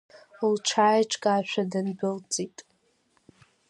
Лҽааиҿкаашәа дындәылҵит.